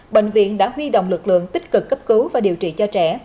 bệnh viện đã huy động lực lượng tích cực cấp cứu và điều trị cho trẻ